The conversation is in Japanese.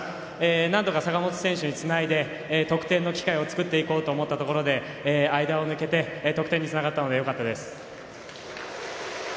なんとか、坂本選手につないで得点の機会を作っていこうと思ったところで間を抜けて得点につながったのでよかったです。